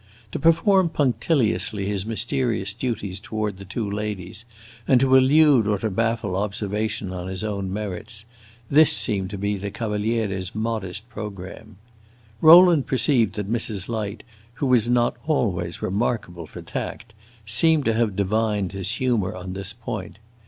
To perform punctiliously his mysterious duties toward the two ladies, and to elude or to baffle observation on his own merits this seemed the Cavaliere's modest programme. Rowland perceived that Mrs. Light, who was not always remarkable for tact, seemed to have divined his humor on this point.